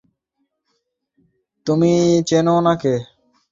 তুমি চেনো ওনাকে?